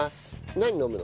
何飲むの？